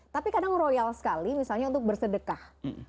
tapi kadang royal sekali misalnya untuk bersedekah